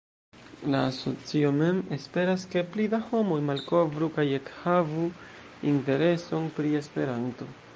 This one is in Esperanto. La asocio mem esperas ke pli da homoj malkovru kaj ekhavu intereson pri Esperanto.